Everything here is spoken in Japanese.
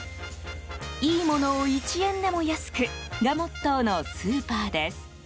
いいものを１円でも安くがモットーの、スーパーです。